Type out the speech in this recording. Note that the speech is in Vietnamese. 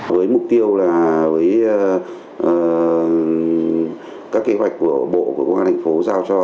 với mục tiêu là với các kế hoạch của bộ của cơ quan thành phố giao cho